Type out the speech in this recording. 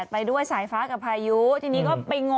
พี่ตื่นมือกับน้องแฟนไฟยู